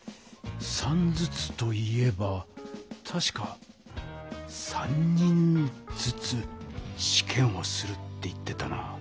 ３ずつと言えばたしか「３人ずつしけんをする」って言ってたな。